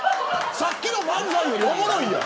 さっきの漫才よりおもろいやん。